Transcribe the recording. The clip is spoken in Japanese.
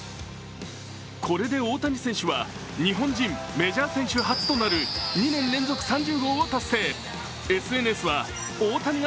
これで大谷選手は日本人メジャー選手初となる２年連続３０号を達成。